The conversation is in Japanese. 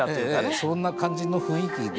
そんな感じの雰囲気で。